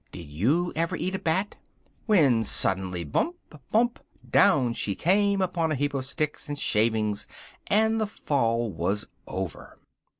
Did you ever eat a bat?" when suddenly, bump! bump! down she came upon a heap of sticks and shavings, and the fall was over.